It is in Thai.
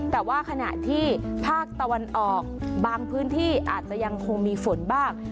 แต่ว่าขณะที่ภาคตะวันออกบางพื้นที่อาจจะยังคงมีฝนบ้าง